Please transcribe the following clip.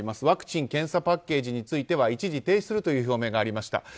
ワクチン・検査パッケージについては一時停止するという表明がありました。